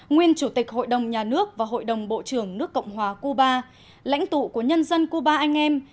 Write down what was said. nguyên chủ tịch hội đồng nhà nước và hội đồng bộ trưởng nước cộng hòa cuba lãnh tụ của nhân dân cuba anh em